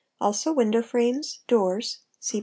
also window frames, doors (see p.